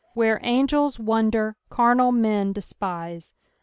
Where angels %TOnder, carnal men despise.